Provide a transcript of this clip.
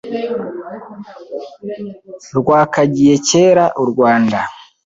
Rwakagiye kera u Rwanda